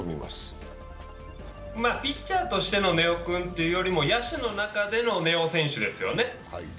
ピッチャーとしての根尾君というよりも野手の中での根尾選手ですよね。